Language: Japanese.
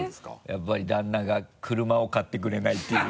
やっぱり旦那が車を買ってくれないっていう。